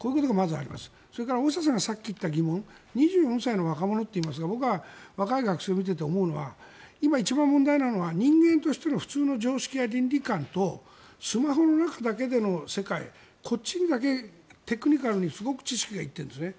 それから大下さんがさっき言った疑問２４歳の若者といいますが僕が若い学生を見ていて思うのは今、一番問題なのは人間としての普通の常識や倫理観とスマホの中だけでの世界こっちにだけテクニカルにすごく知識が行っているんですね。